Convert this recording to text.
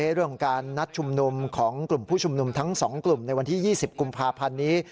เรื่องของการนัดชุมนุมของกลุ่มผู้ชุมนุมทั้ง๒กลุ่มในวันที่๒๐กุมภาพันธ์นี้